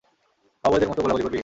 কাউবয়দের মতো গোলাগুলি করবি?